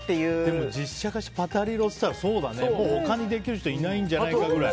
でも実写化して「パタリロ！」っていったら他にできる人いないんじゃないかくらい。